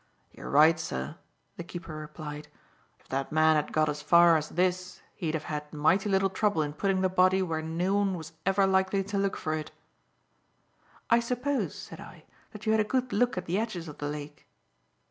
"You're right, sir," the keeper replied. "If that man had got as far as this, he'd have had mighty little trouble in putting the body where no one was ever likely to look for it." "I suppose," said I, "that you had a good look at the edges of the lake?"